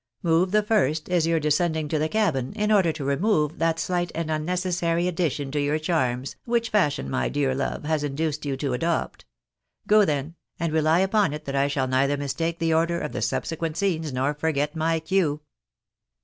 Move the first, is your descending to the cabin, in order to remove that slight and unnecessary addition to your chariTQS, which fashion, my dear love, has induced you to adopt. Go, then ! and rely upon it that I shall neither mistake the order of the subsequent scenes, nor forget my cue."